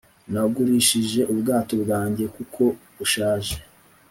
nagurishije ubwato bwanjye kuko bushaje